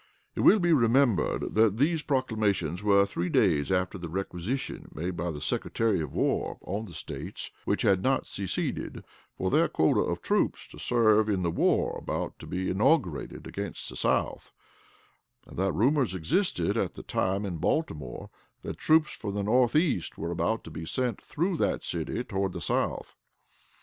It will be remembered that these proclamations were three days after the requisition made by the Secretary of War on the States which had not seceded for their quota of troops to serve in the war about to be inaugurated against the South, and that rumors existed at the time in Baltimore that troops from the Northeast were about to be sent through that city toward the South.